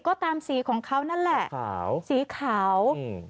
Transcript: ก็ตามสีของเขานั่นแหละขาวสีขาวอืม